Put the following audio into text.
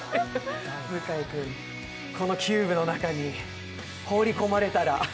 向井君、このＣＵＢＥの中に放り込まれたら？